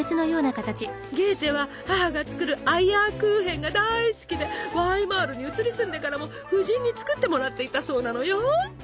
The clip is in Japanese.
ゲーテは母が作るアイアークーヘンが大好きでワイマールに移り住んでからも夫人に作ってもらっていたそうなのよ。